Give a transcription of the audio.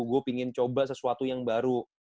gue ingin coba sesuatu yang baru